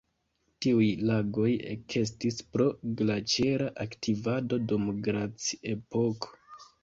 Tiuj lagoj ekestis pro glaĉera aktivado dum glaci-epoko.